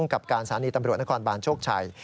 กับการสถานีตำรวจนครบานโชคชัย